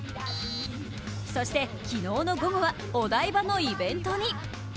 そして昨日の午後はお台場のイベントに。